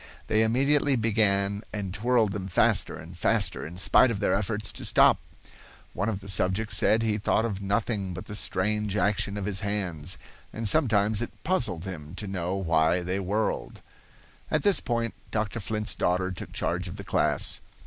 They immediately began and twirled them faster and faster, in spite of their efforts to stop. One of the subjects said he thought of nothing but the strange action of his hands, and sometimes it puzzled him to know why they whirled. At this point Dr. Flint's daughter took charge of the class.